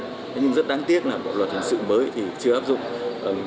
thế nhưng rất đáng tiếc là bộ luật hình sự mới thì chưa áp dụng